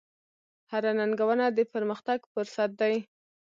هره ننګونه د پرمختګ فرصت دی.